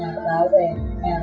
thế đó là đời yêu của con